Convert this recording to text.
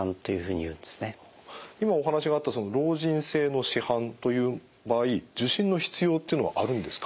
今お話があった老人性の紫斑という場合受診の必要っていうのはあるんですか？